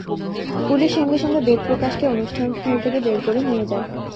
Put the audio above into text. Police সঙ্গে সঙ্গে বেদ প্রকাশকে অনুষ্ঠানস্থল থেকে বের করে নিয়ে যায়।